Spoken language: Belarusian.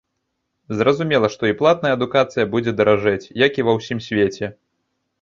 Зразумела, што і платная адукацыя будзе даражэць, як і ва ўсім свеце.